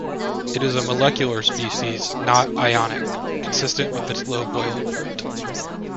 It is a molecular species, not ionic, consistent with its low boiling point.